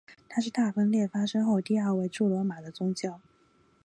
他是大分裂发生后第二位驻罗马的教宗。